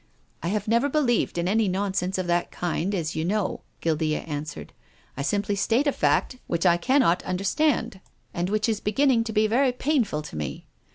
" I have never believed in any nonsense of that kind, as you know," Guiklea answered. " I simply state a fact which I cannot understand, and which J20 TONGUES OF CONSCIKNCE. is beginning to be very painful to me.